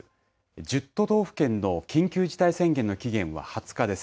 １０都道府県の緊急事態宣言の期限は２０日です。